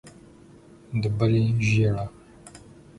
د بلې ژېړه.